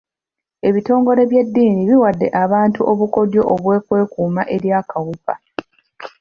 Ebitongole by'eddini biwadde abantu obukodyo bw'okwekuuma eri akawuka.